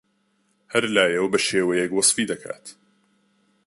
هەر لایەو بەشێوەیەک وەسفی دەکات